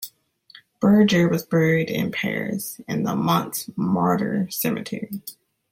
Berger was buried in Paris, in the Montmartre cemetery.